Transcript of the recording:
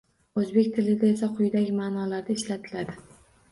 Oʻzbek tilida esa quyidagi maʼnolarda ishlatiladi